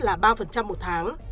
là ba một tháng